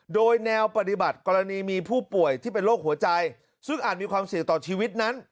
โดยแนวปฏิบัติกรณีมีผู้ป่วยที่เป็นโรคหัวใจซึ่งอาจมีความเสี่ยงต่อชีวิตนั้น